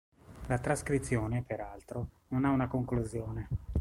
La trascrizione, per altro, non ha una conclusione.